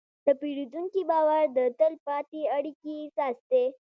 د پیرودونکي باور د تل پاتې اړیکې اساس دی.